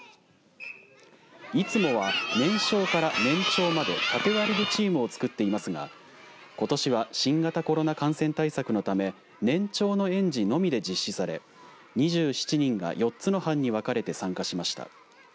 いつもは、年少から年長まで縦割りでチームを作っていますがことしは新型コロナ感染対策のため年長の園児のみで実施され２７人が４つの班に分かれて参加しました。